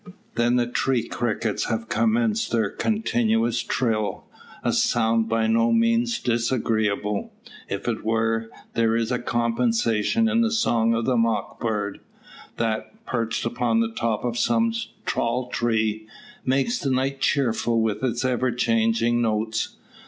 Then the tree crickets have commenced their continuous trill, a sound by no means disagreeable; if it were, there is compensation in the song of the mock bird, that, perched upon the top of some tall tree, makes the night cheerful with its ever changing notes.